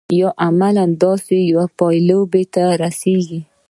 یا عملاً داسې یوې پایلې ته رسیږي.